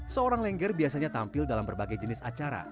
seorang lengger biasanya tampil dalam berbagai jenis acara